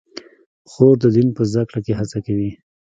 خور د دین په زده کړه کې هڅه کوي.